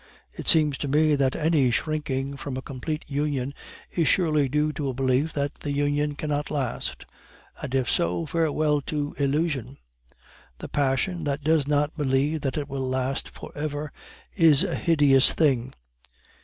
It seems to me that any shrinking from a complete union is surely due to a belief that the union cannot last, and if so, farewell to illusion. The passion that does not believe that it will last for ever is a hideous thing.